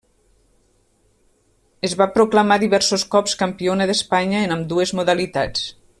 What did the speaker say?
Es va proclamar diversos cops campiona d'Espanya en ambdues modalitats.